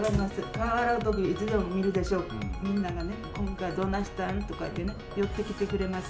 顔洗うとき、いつでも見るでしょ、みんながね、今回はどないしたん？とか言ってね、寄ってきてくれます。